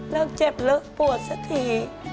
เลิกเจ็บเลิกปวดสักที